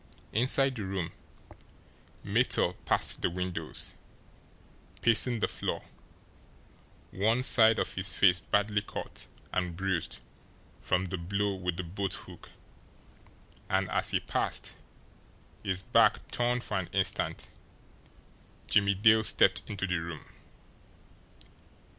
Inside the room, Mittel passed the windows, pacing the floor, one side of his face badly cut and bruised from the blow with the boat hook and as he passed, his back turned for an instant, Jimmie Dale stepped into the room.